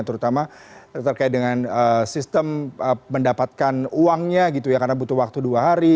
terutama terkait dengan sistem mendapatkan uangnya gitu ya karena butuh waktu dua hari